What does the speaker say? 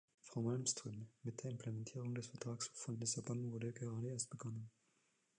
Frau Malmström, mit der Implementierung des Vertrags von Lissabon wurde gerade erst begonnen.